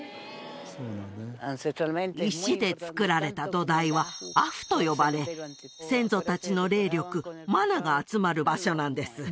石でつくられた土台はアフと呼ばれ先祖達の霊力マナが集まる場所なんです